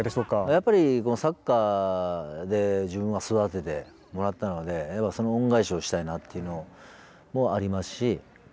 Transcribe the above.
やっぱりサッカーで自分は育ててもらったのでその恩返しをしたいなっていうのもありますし